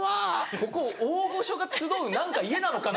ここ大御所が集う家なのかな？